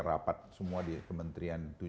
rapat semua di kementerian